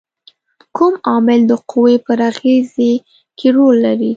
کوم عامل د قوې پر اغیزې کې رول لري؟